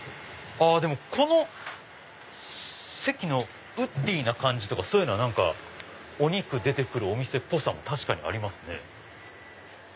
この席のウッディーな感じとかそういうのはお肉出て来るお店っぽさも確かにありますね。